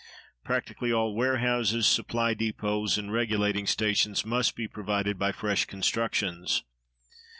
Practically all warehouses, supply depots, and regulating stations must be provided by fresh constructions.